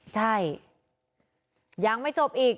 ใช่ยังไม่จบอีก